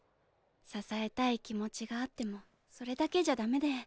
支えたい気持ちがあってもそれだけじゃダメで。